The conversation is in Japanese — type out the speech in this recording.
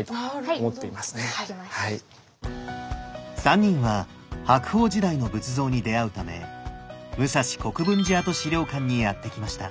３人は白鳳時代の仏像に出会うため武蔵国分寺跡資料館にやって来ました。